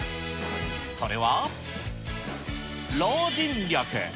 それは、老人力。